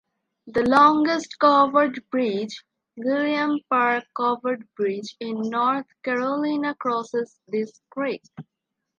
The longest covered bridge (Gilliam Park Covered Bridge) in North Carolina crosses this creek.